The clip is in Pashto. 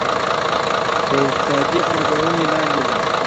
دا انتقادي ارزونې لاندې ده.